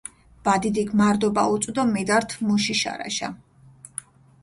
ბადიდიქ მარდობა უწუ დო მიდართჷ მუში შარაშა.